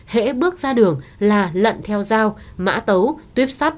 hễ bước ra đường là lận theo dao mã tấu tuyếp sắt